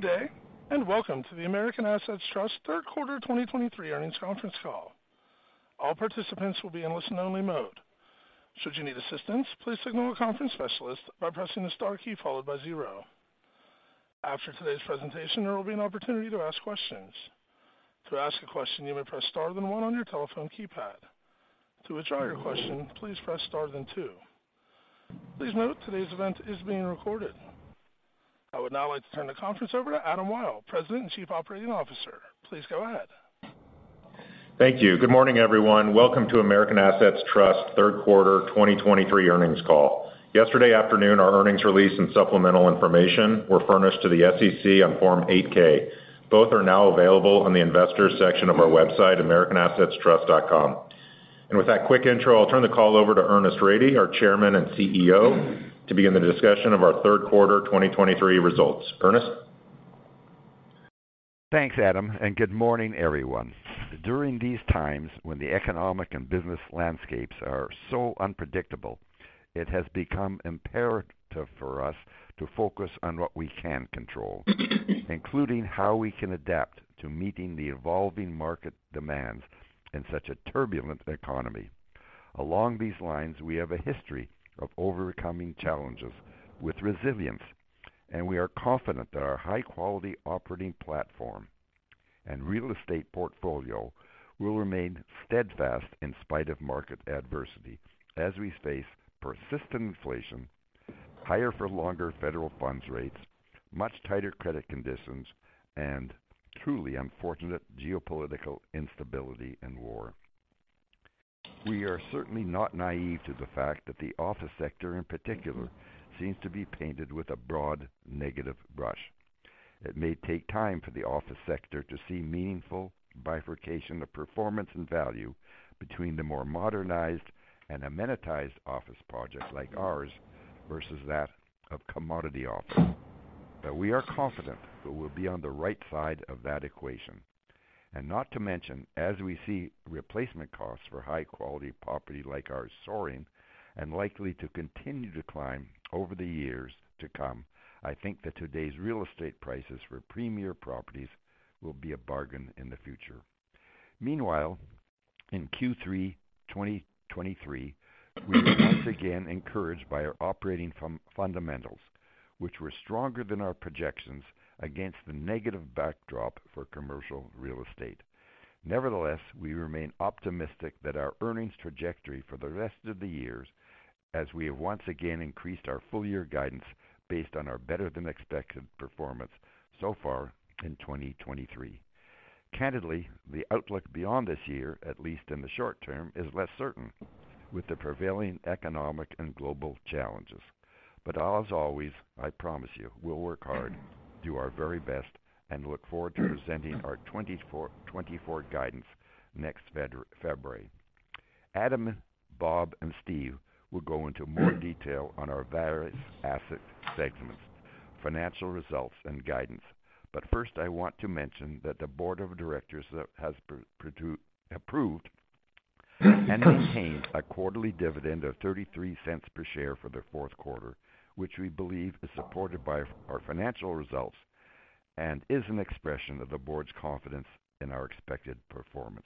Good day, and welcome to the American Assets Trust third quarter 2023 earnings conference call. All participants will be in listen-only mode. Should you need assistance, please signal a conference specialist by pressing the star key followed by zero. After today's presentation, there will be an opportunity to ask questions. To ask a question, you may press star then one on your telephone keypad. To withdraw your question, please press star then two. Please note, today's event is being recorded. I would now like to turn the conference over to Adam Wyll, President and Chief Operating Officer. Please go ahead. Thank you. Good morning, everyone. Welcome to American Assets Trust third quarter 2023 earnings call. Yesterday afternoon, our earnings release and supplemental information were furnished to the SEC on Form 8-K. Both are now available on the investors section of our website, americanassetstrust.com. With that quick intro, I'll turn the call over to Ernest Rady, our Chairman and CEO, to begin the discussion of our third quarter 2023 results. Ernest? Thanks, Adam, and good morning, everyone. During these times when the economic and business landscapes are so unpredictable, it has become imperative for us to focus on what we can control, including how we can adapt to meeting the evolving market demands in such a turbulent economy. Along these lines, we have a history of overcoming challenges with resilience, and we are confident that our high-quality operating platform and real estate portfolio will remain steadfast in spite of market adversity as we face persistent inflation, higher for longer federal funds rates, much tighter credit conditions, and truly unfortunate geopolitical instability and war. We are certainly not naive to the fact that the office sector, in particular, seems to be painted with a broad negative brush. It may take time for the office sector to see meaningful bifurcation of performance and value between the more modernized and amenitized office projects like ours versus that of commodity office. But we are confident that we'll be on the right side of that equation. And not to mention, as we see replacement costs for high-quality property like ours soaring and likely to continue to climb over the years to come, I think that today's real estate prices for premier properties will be a bargain in the future. Meanwhile, in Q3 2023, we were once again encouraged by our operating fundamentals, which were stronger than our projections against the negative backdrop for commercial real estate. Nevertheless, we remain optimistic that our earnings trajectory for the rest of the years, as we have once again increased our full year guidance based on our better than expected performance so far in 2023. Candidly, the outlook beyond this year, at least in the short term, is less certain with the prevailing economic and global challenges. But as always, I promise you, we'll work hard, do our very best, and look forward to presenting our 2024 guidance next February. Adam, Bob, and Steve will go into more detail on our various asset segments, financial results, and guidance. But first, I want to mention that the board of directors has approved and maintained a quarterly dividend of $0.33 per share for the fourth quarter, which we believe is supported by our financial results and is an expression of the board's confidence in our expected performance.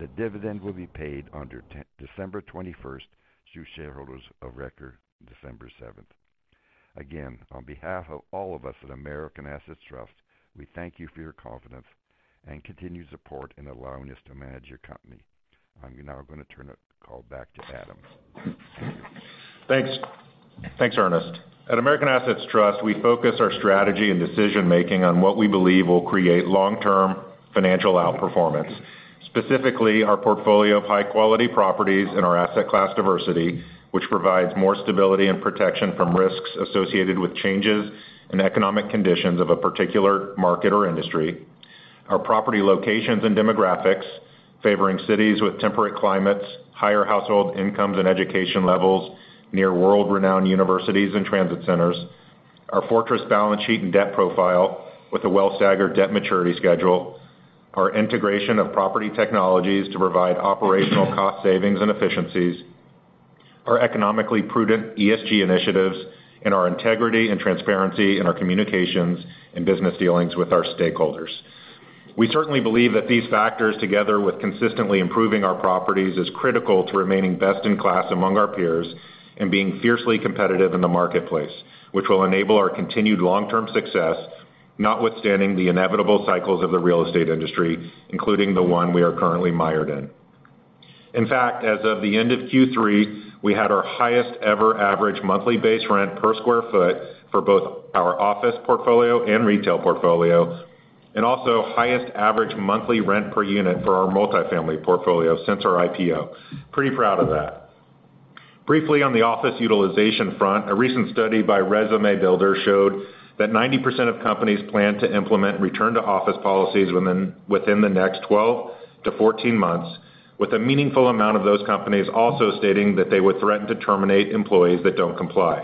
The dividend will be paid on December 21st to shareholders of record December 7th. Again, on behalf of all of us at American Assets Trust, we thank you for your confidence and continued support in allowing us to manage your company. I'm now going to turn the call back to Adam. Thanks. Thanks, Ernest. At American Assets Trust, we focus our strategy and decision-making on what we believe will create long-term financial outperformance. Specifically, our portfolio of high-quality properties and our asset class diversity, which provides more stability and protection from risks associated with changes in economic conditions of a particular market or industry. Our property locations and demographics, favoring cities with temperate climates, higher household incomes and education levels, near world-renowned universities and transit centers. Our fortress balance sheet and debt profile with a well-staggered debt maturity schedule, our integration of property technologies to provide operational cost savings and efficiencies, our economically prudent ESG initiatives, and our integrity and transparency in our communications and business dealings with our stakeholders. We certainly believe that these factors, together with consistently improving our properties, is critical to remaining best in class among our peers and being fiercely competitive in the marketplace, which will enable our continued long-term success, notwithstanding the inevitable cycles of the real estate industry, including the one we are currently mired in. In fact, as of the end of Q3, we had our highest ever average monthly base rent per sq ft for both our office portfolio and retail portfolio, and also highest average monthly rent per unit for our multifamily portfolio since our IPO. Pretty proud of that. Briefly, on the office utilization front, a recent study by ResumeBuilder.com showed that 90% of companies plan to implement return-to-office policies within the next 12-14 months, with a meaningful amount of those companies also stating that they would threaten to terminate employees that don't comply.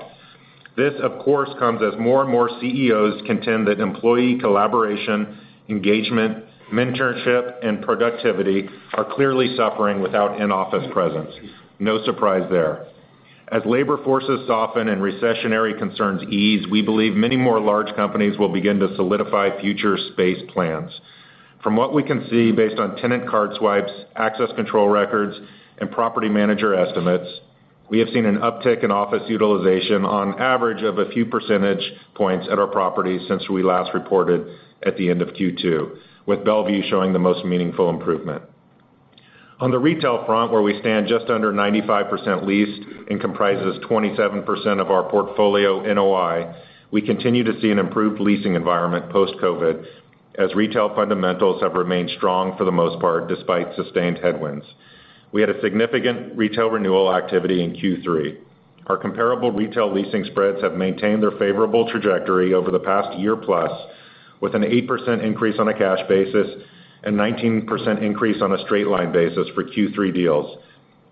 This, of course, comes as more and more CEOs contend that employee collaboration, engagement, mentorship, and productivity are clearly suffering without in-office presence. No surprise there. As labor forces soften and recessionary concerns ease, we believe many more large companies will begin to solidify future space plans. From what we can see, based on tenant card swipes, access control records, and property manager estimates, we have seen an uptick in office utilization on average of a few percentage points at our properties since we last reported at the end of Q2, with Bellevue showing the most meaningful improvement. On the retail front, where we stand just under 95% leased and comprises 27% of our portfolio NOI, we continue to see an improved leasing environment post-COVID, as retail fundamentals have remained strong for the most part, despite sustained headwinds. We had a significant retail renewal activity in Q3. Our comparable retail leasing spreads have maintained their favorable trajectory over the past year plus, with an 8% increase on a cash basis and 19% increase on a straight line basis for Q3 deals,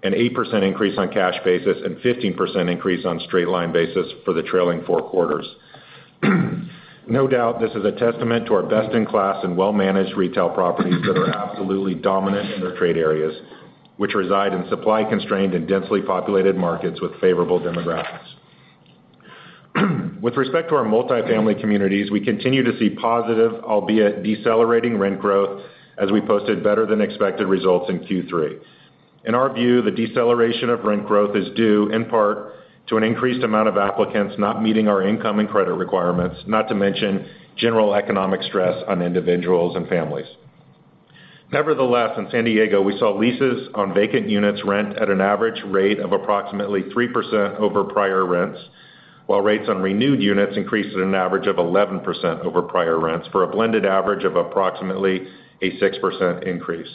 an 8% increase on cash basis and 15% increase on straight line basis for the trailing four quarters. No doubt, this is a testament to our best-in-class and well-managed retail properties that are absolutely dominant in their trade areas, which reside in supply-constrained and densely populated markets with favorable demographics. With respect to our multifamily communities, we continue to see positive, albeit decelerating rent growth, as we posted better-than-expected results in Q3. In our view, the deceleration of rent growth is due, in part, to an increased amount of applicants not meeting our income and credit requirements, not to mention general economic stress on individuals and families. Nevertheless, in San Diego, we saw leases on vacant units rent at an average rate of approximately 3% over prior rents, while rates on renewed units increased at an average of 11% over prior rents, for a blended average of approximately a 6% increase.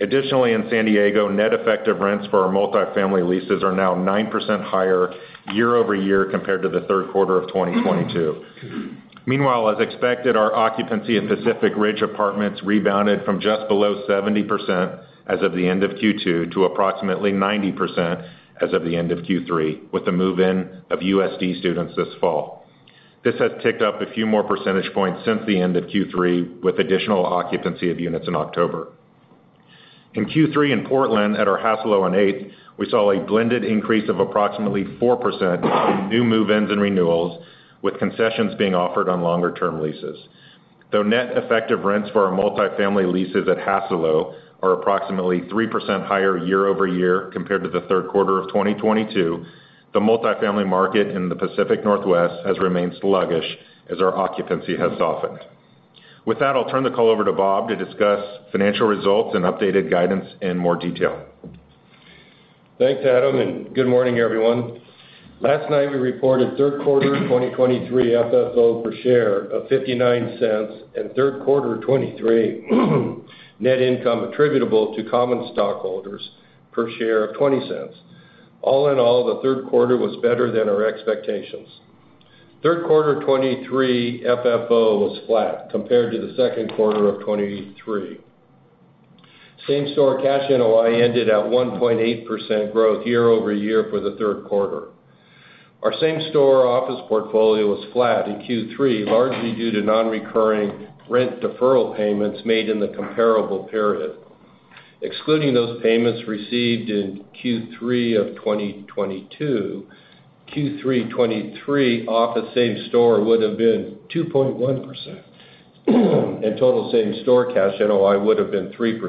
Additionally, in San Diego, net effective rents for our multifamily leases are now 9% higher year-over-year compared to the third quarter of 2022. Meanwhile, as expected, our occupancy at Pacific Ridge Apartments rebounded from just below 70% as of the end of Q2 to approximately 90% as of the end of Q3, with the move-in of USD students this fall. This has ticked up a few more percentage points since the end of Q3, with additional occupancy of units in October. In Q3, in Portland, at our Hassalo on Eighth, we saw a blended increase of approximately 4% in new move-ins and renewals, with concessions being offered on longer-term leases. Though net effective rents for our multifamily leases at Hassalo are approximately 3% higher year over year compared to the third quarter of 2022, the multifamily market in the Pacific Northwest has remained sluggish as our occupancy has softened. With that, I'll turn the call over to Bob to discuss financial results and updated guidance in more detail. Thanks, Adam, and good morning, everyone. Last night, we reported third quarter 2023 FFO per share of $0.59 and third quarter 2023 net income attributable to common stockholders per share of $0.20. All in all, the third quarter was better than our expectations. Third quarter 2023 FFO was flat compared to the second quarter of 2023. Same-store cash NOI ended at 1.8% growth year-over-year for the third quarter. Our same-store office portfolio was flat in Q3, largely due to non-recurring rent deferral payments made in the comparable period. Excluding those payments received in Q3 of 2022, Q3 2023 office same-store would have been 2.1%, and total same-store cash NOI would have been 3%.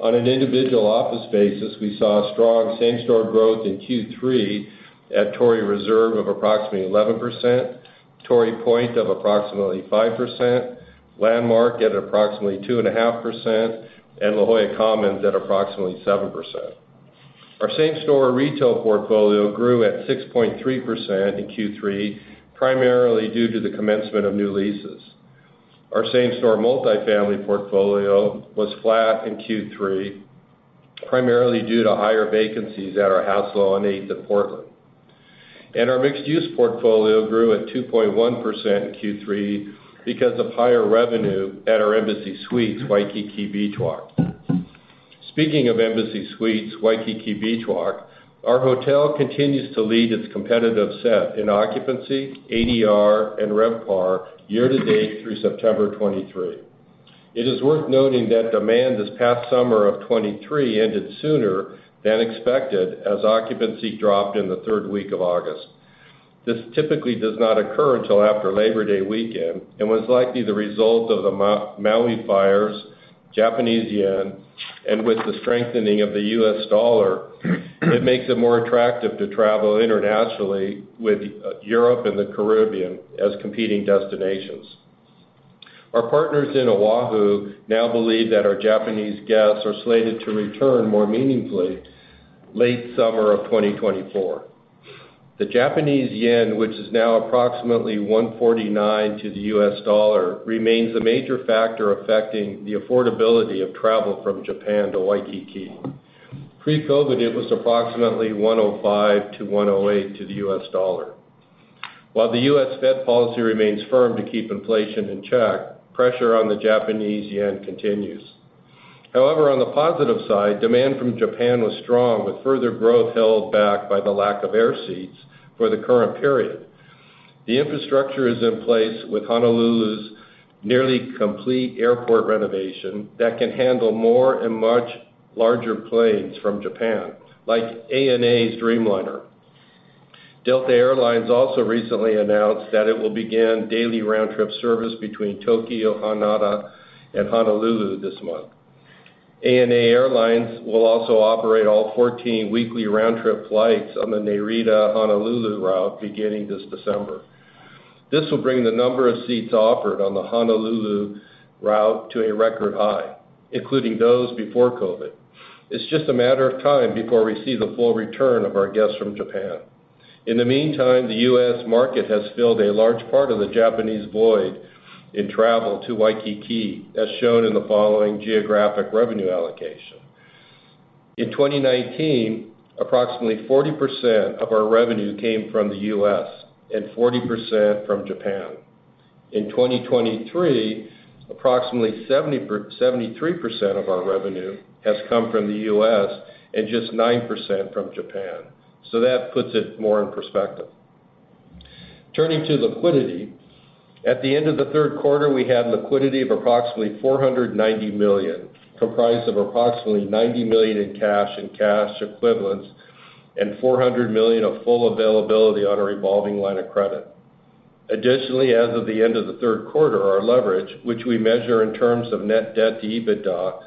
On an individual office basis, we saw strong same-store growth in Q3 at Torrey Reserve of approximately 11%, Torrey Point of approximately 5%, Landmark at approximately 2.5%, and La Jolla Commons at approximately 7%. Our same-store retail portfolio grew at 6.3% in Q3, primarily due to the commencement of new leases. Our same-store multifamily portfolio was flat in Q3, primarily due to higher vacancies at our Hassalo on Eighth in Portland. Our mixed-use portfolio grew at 2.1% in Q3 because of higher revenue at our Embassy Suites Waikiki Beach Walk. Speaking of Embassy Suites Waikiki Beach Walk, our hotel continues to lead its competitive set in occupancy, ADR, and RevPAR year to date through September 2023. It is worth noting that demand this past summer of 2023 ended sooner than expected as occupancy dropped in the third week of August. This typically does not occur until after Labor Day weekend and was likely the result of the Maui fires, Japanese yen, and with the strengthening of the US dollar, it makes it more attractive to travel internationally with Europe and the Caribbean as competing destinations. Our partners in Oahu now believe that our Japanese guests are slated to return more meaningfully late summer of 2024. The Japanese yen, which is now approximately 149 to the US dollar, remains a major factor affecting the affordability of travel from Japan to Waikiki. Pre-COVID, it was approximately 105-108 to the US dollar. While the U.S. Fed policy remains firm to keep inflation in check, pressure on the Japanese yen continues. However, on the positive side, demand from Japan was strong, with further growth held back by the lack of air seats for the current period... The infrastructure is in place with Honolulu's nearly complete airport renovation that can handle more and much larger planes from Japan, like ANA's Dreamliner. Delta Air Lines also recently announced that it will begin daily round-trip service between Tokyo, Haneda, and Honolulu this month. ANA Airlines will also operate all 14 weekly round-trip flights on the Narita-Honolulu route beginning this December. This will bring the number of seats offered on the Honolulu route to a record high, including those before COVID. It's just a matter of time before we see the full return of our guests from Japan. In the meantime, the U.S. market has filled a large part of the Japanese void in travel to Waikiki, as shown in the following geographic revenue allocation. In 2019, approximately 40% of our revenue came from the U.S. and 40% from Japan. In 2023, approximately 73% of our revenue has come from the U.S. and just 9% from Japan. So that puts it more in perspective. Turning to liquidity. At the end of the third quarter, we had liquidity of approximately $490 million, comprised of approximately $90 million in cash and cash equivalents, and $400 million of full availability on a revolving line of credit. Additionally, as of the end of the third quarter, our leverage, which we measure in terms of Net Debt to EBITDA,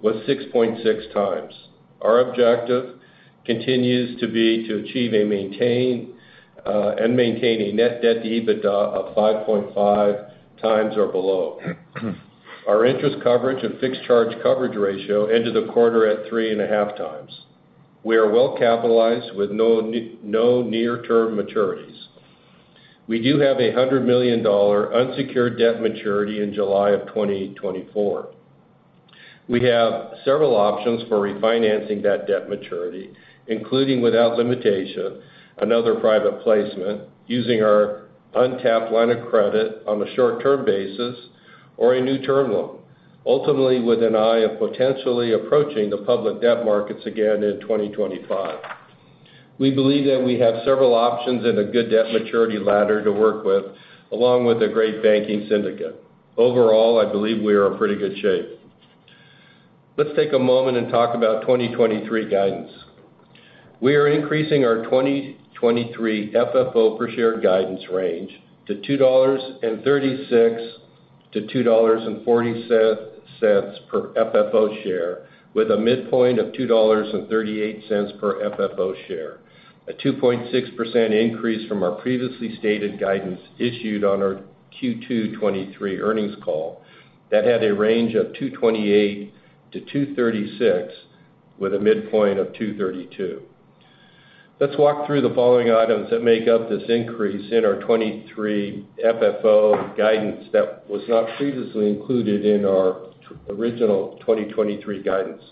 was 6.6 times. Our objective continues to be to achieve and maintain, and maintain a net debt to EBITDA of 5.5 times or below. Our interest coverage and fixed charge coverage ratio ended the quarter at 3.5 times. We are well capitalized with no near-term maturities. We do have a $100 million unsecured debt maturity in July 2024. We have several options for refinancing that debt maturity, including without limitation, another private placement, using our untapped line of credit on a short-term basis, or a new term loan, ultimately, with an eye of potentially approaching the public debt markets again in 2025. We believe that we have several options and a good debt maturity ladder to work with, along with a great banking syndicate. Overall, I believe we are in pretty good shape. Let's take a moment and talk about 2023 guidance. We are increasing our 2023 FFO per share guidance range to $2.36-$2.47 per FFO share, with a midpoint of $2.38 per FFO share, a 2.6% increase from our previously stated guidance issued on our Q2 2023 earnings call that had a range of $2.28-$2.36, with a midpoint of $2.32. Let's walk through the following items that make up this increase in our 2023 FFO guidance that was not previously included in our original 2023 guidance.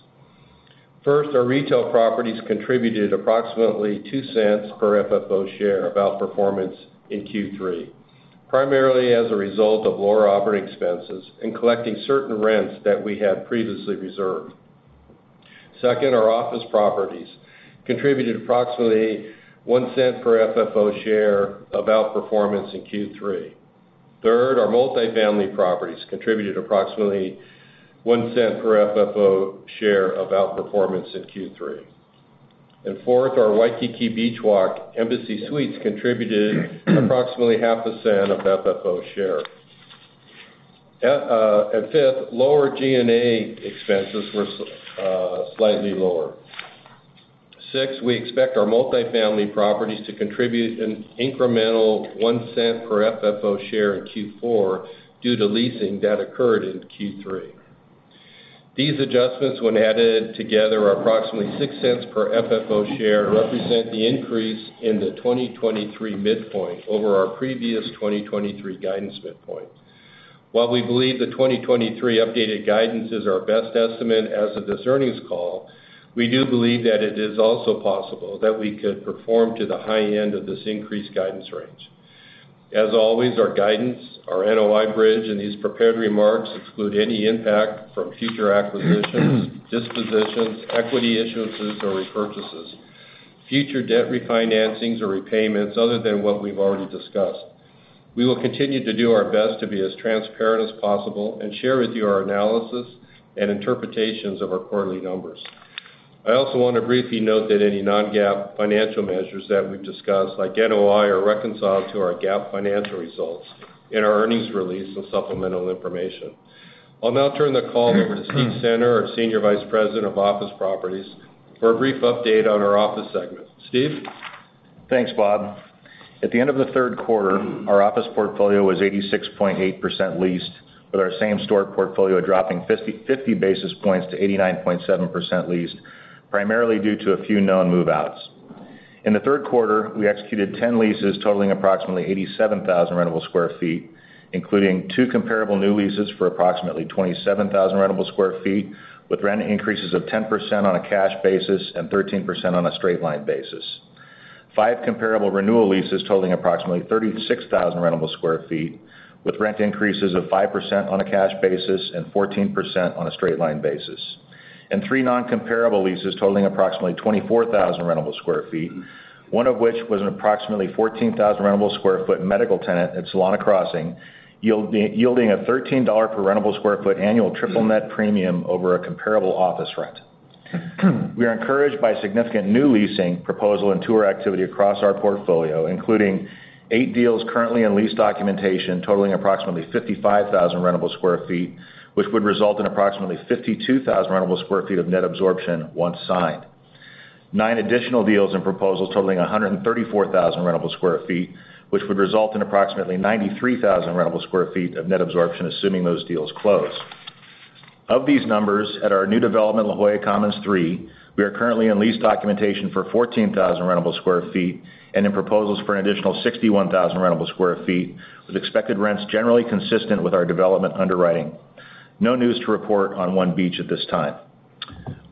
First, our retail properties contributed approximately $0.02 per FFO share of outperformance in Q3, primarily as a result of lower operating expenses and collecting certain rents that we had previously reserved. Second, our office properties contributed approximately $0.01 per FFO share of outperformance in Q3. Third, our multifamily properties contributed approximately $0.01 per FFO share of outperformance in Q3. And fourth, our Waikiki Beach Walk Embassy Suites contributed approximately $0.005 of FFO share. And fifth, lower G&A expenses were, slightly lower. Six, we expect our multifamily properties to contribute an incremental $0.01 per FFO share in Q4 due to leasing that occurred in Q3. These adjustments, when added together, are approximately $0.06 per FFO share, represent the increase in the 2023 midpoint over our previous 2023 guidance midpoint. While we believe the 2023 updated guidance is our best estimate as of this earnings call, we do believe that it is also possible that we could perform to the high end of this increased guidance range. As always, our guidance, our NOI bridge, and these prepared remarks exclude any impact from future acquisitions, dispositions, equity issuances, or repurchases, future debt refinancings or repayments, other than what we've already discussed. We will continue to do our best to be as transparent as possible and share with you our analysis and interpretations of our quarterly numbers. I also want to briefly note that any non-GAAP financial measures that we've discussed, like NOI, are reconciled to our GAAP financial results in our earnings release and supplemental information. I'll now turn the call over to Steve Center, our Senior Vice President of Office Properties, for a brief update on our office segment. Steve? Thanks, Bob. At the end of the third quarter, our office portfolio was 86.8% leased, with our same store portfolio dropping 50 basis points to 89.7% leased, primarily due to a few known move-outs. In the third quarter, we executed 10 leases totaling approximately 87,000 rentable sq ft, including two comparable new leases for approximately 27,000 rentable sq ft, with rent increases of 10% on a cash basis and 13% on a straight line basis. Five comparable renewal leases totaling approximately 36,000 rentable sq ft, with rent increases of 5% on a cash basis and 14% on a straight line basis.... Three non-comparable leases totaling approximately 24,000 rentable sq ft, one of which was an approximately 14,000 rentable sq ft medical tenant at Solana Crossings, yielding a $13 per rentable sq ft annual triple net premium over a comparable office rent. We are encouraged by significant new leasing proposal and tour activity across our portfolio, including eight deals currently in lease documentation, totaling approximately 55,000 rentable sq ft, which would result in approximately 52,000 rentable sq ft of net absorption once signed. Nine additional deals and proposals totaling 134,000 rentable sq ft, which would result in approximately 93,000 rentable sq ft of net absorption, assuming those deals close. Of these numbers, at our new development, La Jolla Commons III, we are currently in lease documentation for 14,000 rentable sq ft and in proposals for an additional 61,000 rentable sq ft, with expected rents generally consistent with our development underwriting. No news to report on One Beach at this time.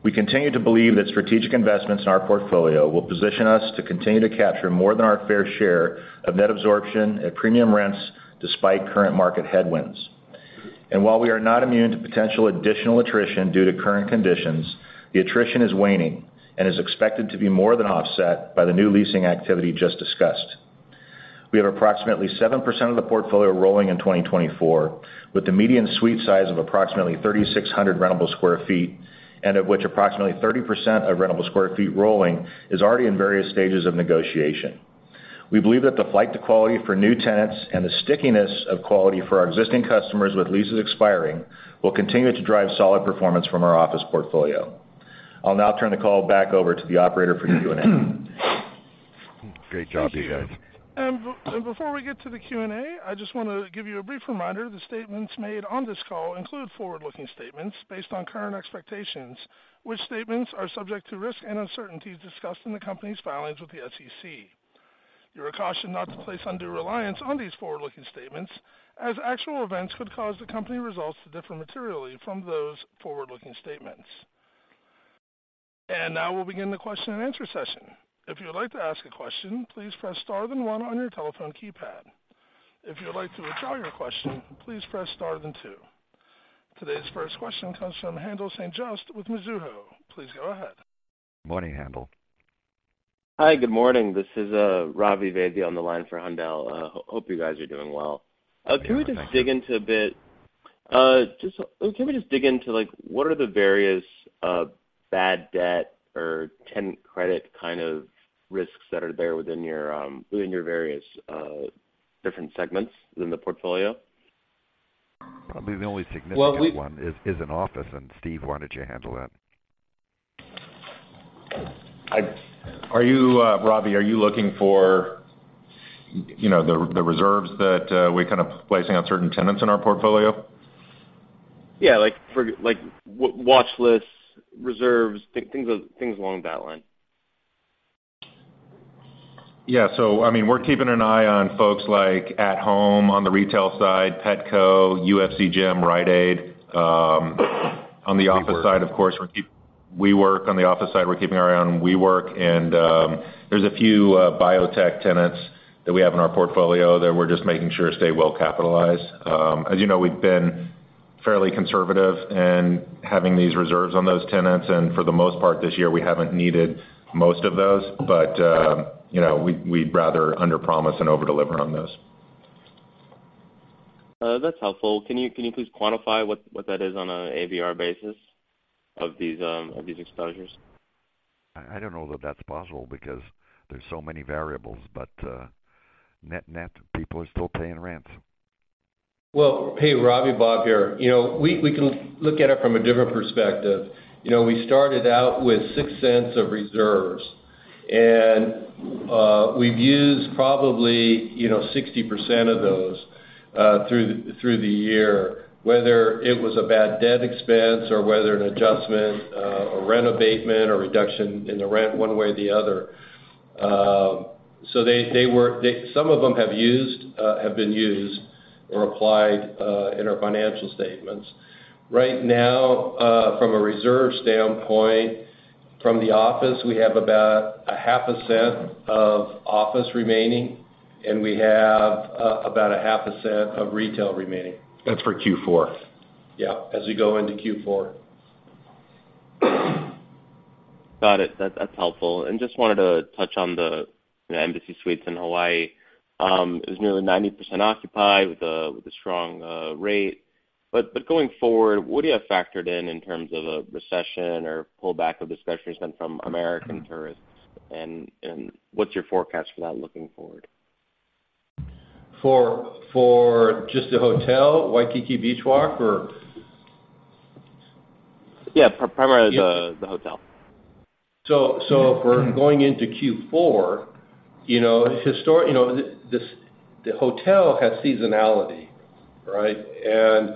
We continue to believe that strategic investments in our portfolio will position us to continue to capture more than our fair share of net absorption at premium rents despite current market headwinds. And while we are not immune to potential additional attrition due to current conditions, the attrition is waning and is expected to be more than offset by the new leasing activity just discussed. We have approximately 7% of the portfolio rolling in 2024, with the median suite size of approximately 3,600 rentable sq ft, and of which approximately 30% of rentable sq ft rolling is already in various stages of negotiation. We believe that the flight to quality for new tenants and the stickiness of quality for our existing customers with leases expiring, will continue to drive solid performance from our office portfolio. I'll now turn the call back over to the operator for the Q&A. Great job, DJ. Before we get to the Q&A, I just want to give you a brief reminder. The statements made on this call include forward-looking statements based on current expectations, which statements are subject to risks and uncertainties discussed in the company's filings with the SEC. You are cautioned not to place undue reliance on these forward-looking statements, as actual events could cause the company results to differ materially from those forward-looking statements. And now we'll begin the question-and-answer session. If you would like to ask a question, please press star then one on your telephone keypad. If you would like to withdraw your question, please press star then two. Today's first question comes from Handel St. Juste with Mizuho. Please go ahead. Morning, Handel. Hi, good morning. This is, Ravi Vaidya on the line for Handel. Hope you guys are doing well. Yeah, thank you. Can we just dig into, like, what are the various bad debt or tenant credit kind of risks that are there within your various different segments within the portfolio? Probably the only significant one- Well, we- is an office, and Steve, why don't you handle that? Ravi, are you looking for, you know, the reserves that we're kind of placing on certain tenants in our portfolio? Yeah, like, for like watch lists, reserves, things along that line. Yeah. So I mean, we're keeping an eye on folks like At Home on the retail side, Petco, UFC Gym, Rite Aid, on the office side, of course, we're keeping our eye on WeWork, and, there's a few biotech tenants that we have in our portfolio that we're just making sure stay well capitalized. As you know, we've been fairly conservative in having these reserves on those tenants, and for the most part, this year, we haven't needed most of those. But, you know, we'd rather underpromise and overdeliver on this. That's helpful. Can you please quantify what that is on an ADR basis of these exposures? I don't know that that's possible because there's so many variables, but net, people are still paying rents. Well, hey, Ravi, Bob here. You know, we can look at it from a different perspective. You know, we started out with $0.06 of reserves, and we've used probably, you know, 60% of those, through the year, whether it was a bad debt expense or whether an adjustment, a rent abatement or reduction in the rent one way or the other. So they were. Some of them have been used or applied in our financial statements. Right now, from a reserve standpoint, from the office, we have about $0.005 of office remaining, and we have about $0.005 of retail remaining. That's for Q4. Yeah, as we go into Q4. Got it. That's helpful. And just wanted to touch on the Embassy Suites in Hawaii. It was nearly 90% occupied with a strong rate. But going forward, what do you have factored in, in terms of a recession or pullback of discretionary spend from American tourists? And what's your forecast for that, looking forward? For just the hotel, Waikiki Beach Walk, or? Yeah, primarily the- Yes... the hotel. For going into Q4, you know, historically, you know, the hotel has seasonality, right? And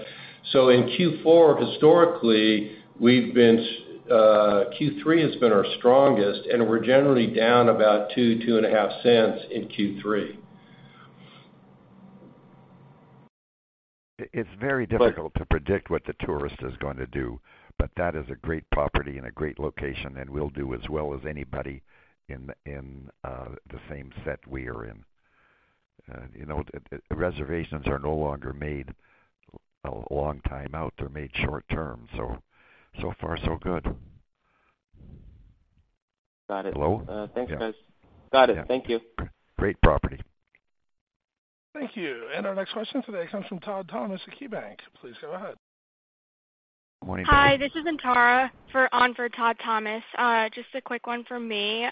so in Q4, historically, we've been, Q3 has been our strongest, and we're generally down about $0.02-$0.025 in Q3. It's very difficult to predict what the tourist is going to do, but that is a great property and a great location, and we'll do as well as anybody in the same set we are in.... you know, the reservations are no longer made a long time out. They're made short term. So, so far, so good. Got it. Hello? Thanks, guys. Yeah. Got it. Yeah. Thank you. Great property. Thank you. Our next question today comes from Todd Thomas at KeyBanc. Please go ahead. Good morning, Todd. Hi, this is Antara for Todd Thomas. Just a quick one from me.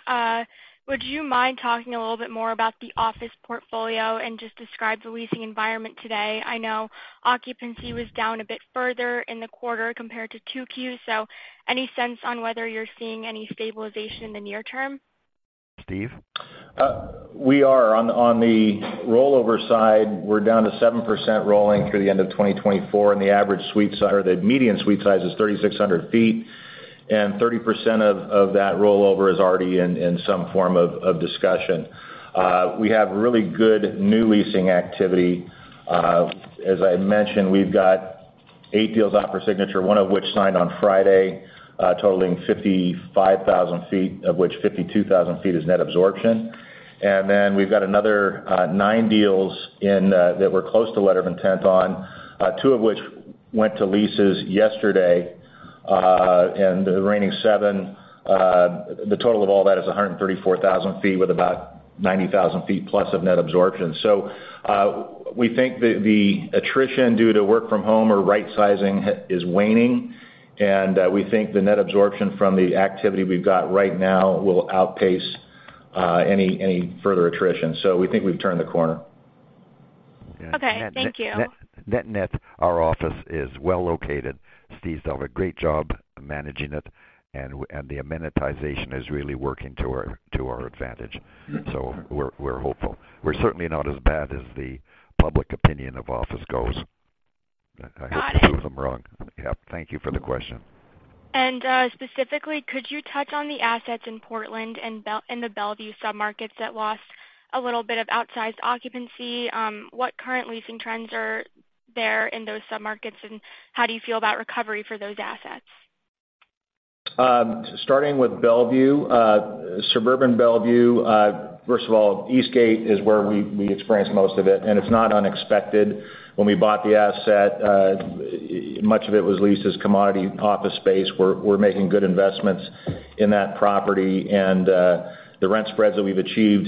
Would you mind talking a little bit more about the office portfolio, and just describe the leasing environment today? I know occupancy was down a bit further in the quarter compared to 2Q. So any sense on whether you're seeing any stabilization in the near term? Steve? We are. On the rollover side, we're down to 7% rolling through the end of 2024, and the average suite size—or the median suite size is 3,600 sq ft, and 30% of that rollover is already in some form of discussion. We have really good new leasing activity. As I mentioned, we've got 8 deals out for signature, one of which signed on Friday, totaling 55,000 sq ft, of which 52,000 sq ft is net absorption. And then we've got another 9 deals that we're close to letter of intent on, two of which went to leases yesterday, and the remaining seven, the total of all that is 134,000 sq ft, with about 90,000 sq ft plus of net absorption. So, we think that the attrition due to work from home or rightsizing is waning, and we think the net absorption from the activity we've got right now will outpace any further attrition. So we think we've turned the corner. Okay, thank you. Net net, our office is well located. Steve's done a great job managing it, and the amenitization is really working to our advantage. So we're hopeful. We're certainly not as bad as the public opinion of office goes. I- I hope to prove them wrong. Yeah, thank you for the question. Specifically, could you touch on the assets in Portland and Bellevue submarkets that lost a little bit of outsized occupancy? What current leasing trends are there in those submarkets, and how do you feel about recovery for those assets? Starting with Bellevue, suburban Bellevue, first of all, Eastgate is where we experienced most of it, and it's not unexpected. When we bought the asset, much of it was leased as commodity office space. We're making good investments in that property, and the rent spreads that we've achieved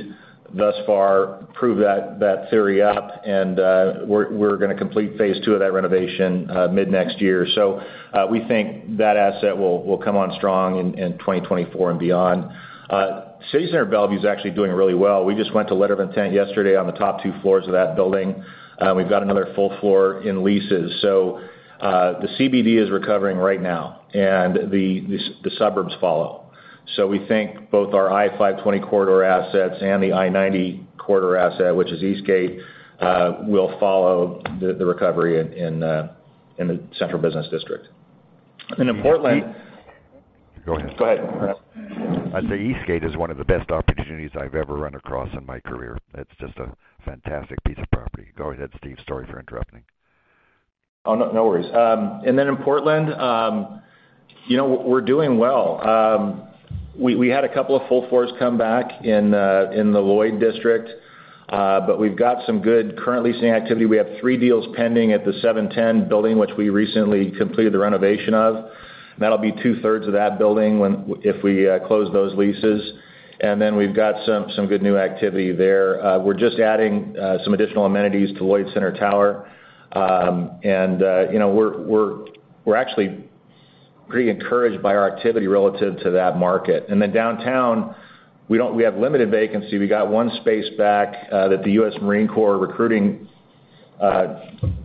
thus far prove that theory up, and we're gonna complete phase two of that renovation mid-next year. So, we think that asset will come on strong in 2024 and beyond. City Center Bellevue is actually doing really well. We just went to letter of intent yesterday on the top two floors of that building. We've got another full floor in leases, so the CBD is recovering right now, and the suburbs follow. So we think both our I-520 corridor assets and the I-90 corridor asset, which is Eastgate, will follow the recovery in the central business district. And in Portland. Go ahead. Go ahead. I'd say Eastgate is one of the best opportunities I've ever run across in my career. It's just a fantastic piece of property. Go ahead, Steve. Sorry for interrupting. Oh, no, no worries. And then in Portland, you know, we're doing well. We had a couple of full floors come back in the Lloyd District, but we've got some good current leasing activity. We have three deals pending at the 710 Building, which we recently completed the renovation of. That'll be two-thirds of that building when... if we close those leases. And then we've got some good new activity there. We're just adding some additional amenities to Lloyd Center Tower. And you know, we're actually pretty encouraged by our activity relative to that market. And then downtown, we don't. We have limited vacancy. We got one space back that the U.S. Marine Corps recruiting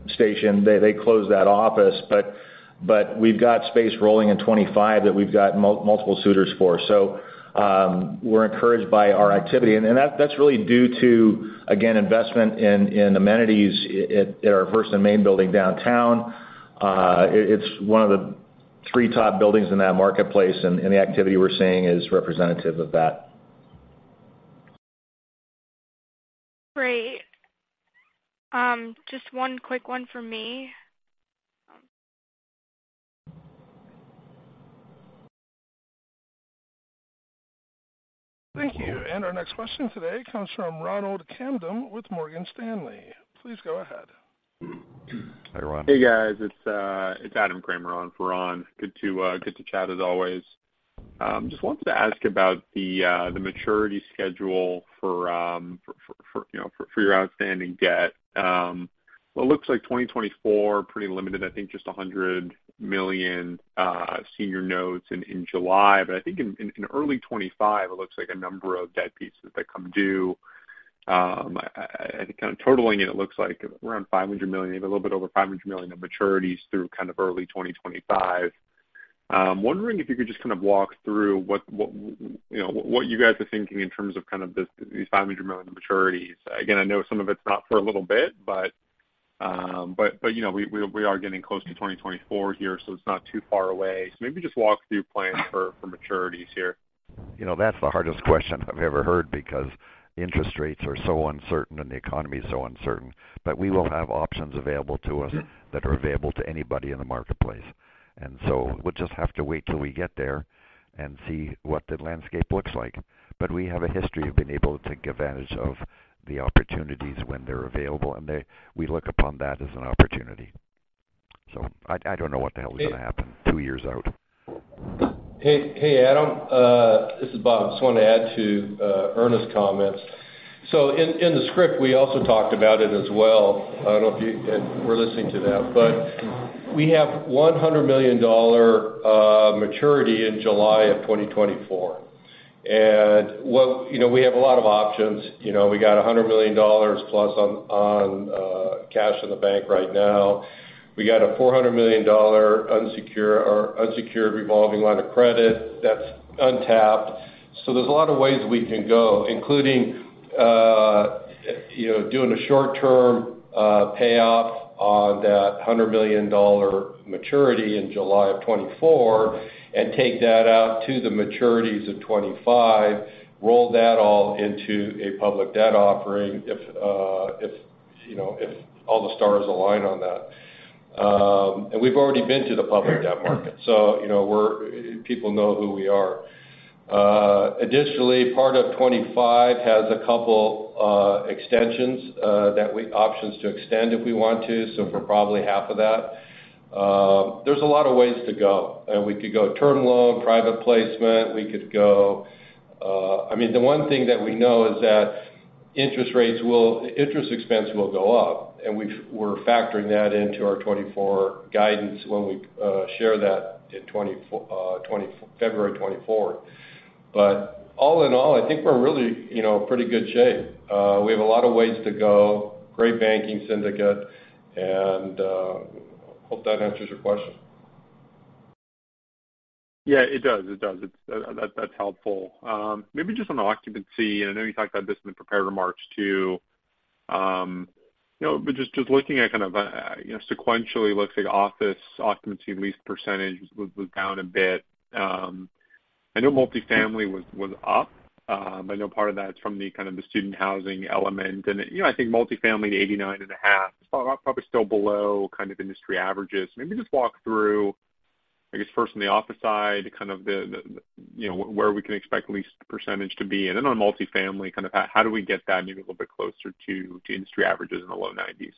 station, they closed that office, but we've got space rolling in 2025 that we've got multiple suitors for. So, we're encouraged by our activity, and then that's really due to, again, investment in amenities at our First & Main building downtown. It's one of the three top buildings in that marketplace, and the activity we're seeing is representative of that. Great. Just one quick one from me. Thank you. Our next question today comes from Ronald Kamdem with Morgan Stanley. Please go ahead. Hi, Ron. Hey, guys. It's Adam Kramer on for Ron. Good to chat, as always. Just wanted to ask about the maturity schedule for, you know, for your outstanding debt. Well, it looks like 2024, pretty limited, I think, just $100 million senior notes in July. But I think in early 2025, it looks like a number of debt pieces that come due, kind of totaling, it looks like around $500 million, maybe a little bit over $500 million of maturities through kind of early 2025. Wondering if you could just kind of walk through what, you know, what you guys are thinking in terms of kind of this, these $500 million maturities. Again, I know some of it's not for a little bit, but you know, we are getting close to 2024 here, so it's not too far away. So maybe just walk through plans for maturities here. You know, that's the hardest question I've ever heard, because interest rates are so uncertain, and the economy is so uncertain. But we will have options available to us that are available to anybody in the marketplace. And so we'll just have to wait till we get there and see what the landscape looks like. But we have a history of being able to take advantage of the opportunities when they're available, and we look upon that as an opportunity.... So I don't know what the hell is gonna happen two years out. Hey, hey, Adam, this is Bob. Just want to add to Ernest's comments. So in the script, we also talked about it as well. I don't know if you were listening to that, but we have $100 million maturity in July 2024. And well, you know, we have a lot of options. You know, we got $100 million plus on cash in the bank right now. We got a $400 million unsecured revolving line of credit that's untapped. So there's a lot of ways we can go, including, you know, doing a short-term payoff on that $100 million maturity in July 2024, and take that out to the maturities of 2025, roll that all into a public debt offering, if, you know, if all the stars align on that. And we've already been to the public debt market, so, you know, we're people know who we are. Additionally, part of 2025 has a couple extensions that options to extend if we want to, so for probably half of that. There's a lot of ways to go, and we could go term loan, private placement, we could go. I mean, the one thing that we know is that interest rates will interest expense will go up, and we've, we're factoring that into our 2024 guidance when we share that in 2024, February twenty-fourth. But all in all, I think we're in really, you know, pretty good shape. We have a lot of ways to go, great banking syndicate, and hope that answers your question. Yeah, it does. It does. It's, that's, that's helpful. Maybe just on occupancy, and I know you talked about this in the prepared remarks, too. You know, but just, just looking at kind of, you know, sequentially, looks like office occupancy lease percentage was, was down a bit. I know multifamily was, was up. I know part of that is from the kind of the student housing element. And, you know, I think multifamily to 89.5%, probably still below kind of industry averages. Maybe just walk through, I guess, first on the office side, kind of the, the, you know, where we can expect lease percentage to be, and then on multifamily, kind of how do we get that maybe a little bit closer to, to industry averages in the low 90s%.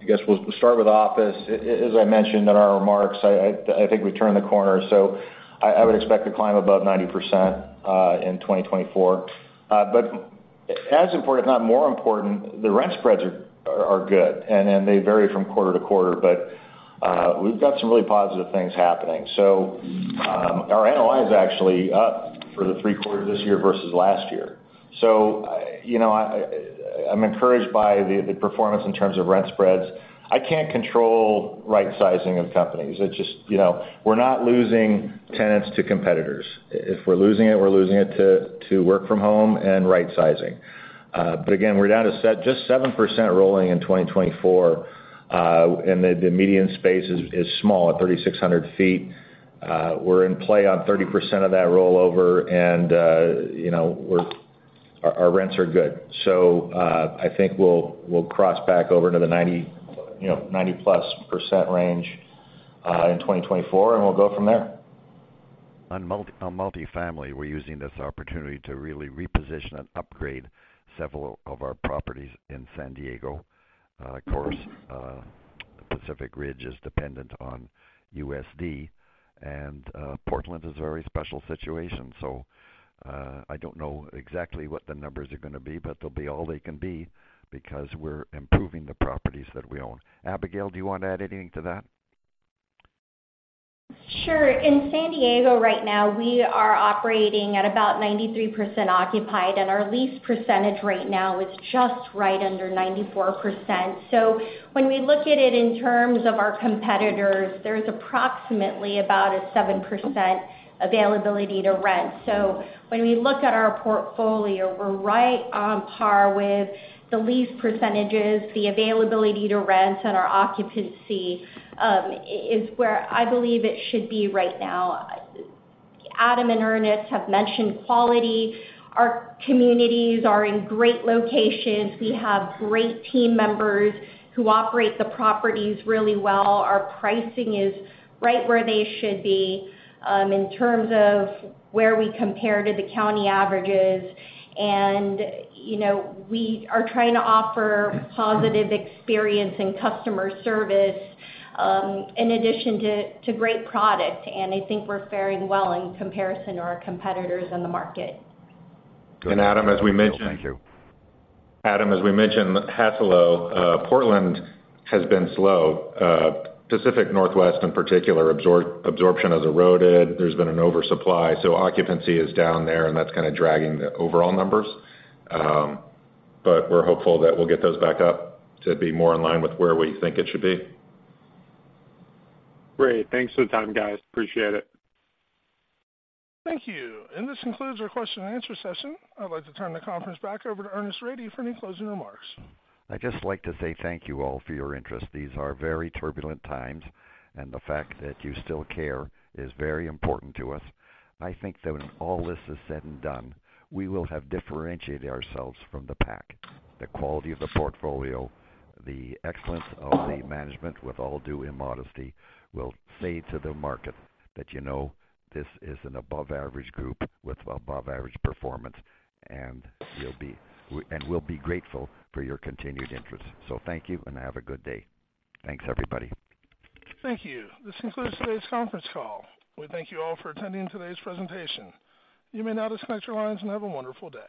I guess we'll start with office. As I mentioned in our remarks, I think we turned the corner, so I would expect to climb above 90% in 2024. But as important, if not more important, the rent spreads are good, and they vary from quarter to quarter. But we've got some really positive things happening. So our NOI is actually up for the three quarters this year versus last year. So you know, I'm encouraged by the performance in terms of rent spreads. I can't control right-sizing of companies. It's just, you know, we're not losing tenants to competitors. If we're losing it, we're losing it to work from home and right-sizing. But again, we're down to just 7% rolling in 2024, and the median space is small, at 3,600 sq ft. We're in play on 30% of that rollover, and, you know, our rents are good. So, I think we'll cross back over to the 90+% range in 2024, and we'll go from there. On multifamily, we're using this opportunity to really reposition and upgrade several of our properties in San Diego. Of course, Pacific Ridge is dependent on USD, and Portland is a very special situation. So, I don't know exactly what the numbers are gonna be, but they'll be all they can be, because we're improving the properties that we own. Abigail, do you want to add anything to that? Sure. In San Diego right now, we are operating at about 93% occupied, and our lease percentage right now is just right under 94%. So when we look at it in terms of our competitors, there's approximately about a 7% availability to rent. So when we look at our portfolio, we're right on par with the lease percentages, the availability to rent, and our occupancy is where I believe it should be right now. Adam and Ernest have mentioned quality. Our communities are in great locations. We have great team members who operate the properties really well. Our pricing is right where they should be, in terms of where we compare to the county averages. You know, we are trying to offer positive experience and customer service in addition to great product, and I think we're faring well in comparison to our competitors in the market. Good. Adam, as we mentioned- Thank you. Adam, as we mentioned, Hassalo, Portland has been slow. Pacific Northwest, in particular, absorption has eroded. There's been an oversupply, so occupancy is down there, and that's kind of dragging the overall numbers. But we're hopeful that we'll get those back up to be more in line with where we think it should be. Great. Thanks for the time, guys. Appreciate it. Thank you. This concludes our question and answer session. I'd like to turn the conference back over to Ernest Rady for any closing remarks. I'd just like to say thank you all for your interest. These are very turbulent times, and the fact that you still care is very important to us. I think that when all this is said and done, we will have differentiated ourselves from the pack. The quality of the portfolio, the excellence of the management, with all due immodesty, will say to the market that, you know, this is an above average group with above average performance, and you'll be—we, and we'll be grateful for your continued interest. So thank you, and have a good day. Thanks, everybody. Thank you. This concludes today's conference call. We thank you all for attending today's presentation. You may now disconnect your lines, and have a wonderful day.